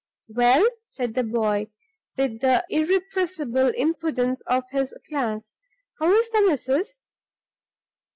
"Well," said the boy, with the irrepressible impudence of his class, "how is the missus?"